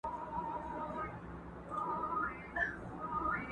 دومره مظلوم یم چي مي آه له ستوني نه راوزي٫